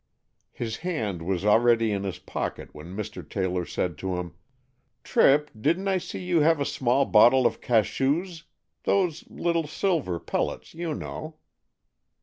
His hand was already in his pocket when Mr. Taylor said to him, "Tripp, didn't I see you have a small bottle of cachous?—those little silver pellets, you know."